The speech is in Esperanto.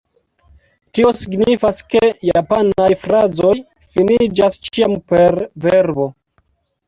Tio signifas ke japanaj frazoj finiĝas ĉiam per verbo.